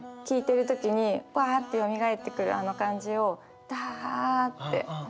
聴いてる時にパッてよみがえってくるあの感じをダッて。